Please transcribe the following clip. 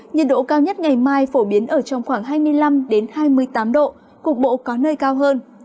nhiệt độ cao nhất ngày mai phổ biến ở trong khoảng hai mươi năm hai mươi tám độ cục bộ có nơi cao hơn